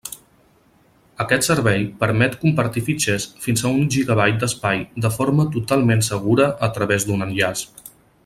Aquest servei permet compartir fitxers fins a un gigabyte d'espai de forma totalment segura a través d'un enllaç.